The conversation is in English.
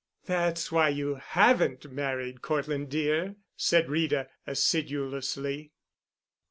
"That's why you haven't married, Cortland dear," said Rita acidulously.